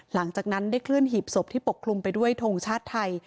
หลังจากนั้นได้เคลื่อหีบศพที่ปกคลุมไปด้วยทงชาติไทย